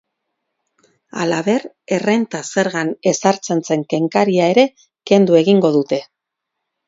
Halaber, errenta zergan ezartzen zen kenkaria ere kendu egingo dute.